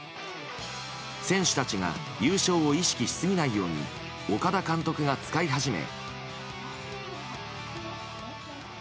選手たちが優勝を意識しすぎないように岡田監督が使い始め。